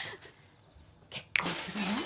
結婚するの？